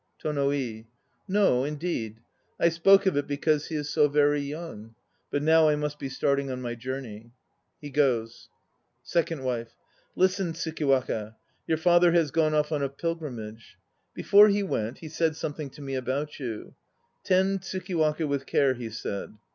TONO I. No, indeed. I spoke of it, because he is so very young. ... But now I must be starting on my journey. (He goes.) SECOND WIFE. Listen, Tsukiwaka! Your father has gone off on a pilgrimage. Before he went, he said something to me about you. "Tend Tsukiwaka with care," he said.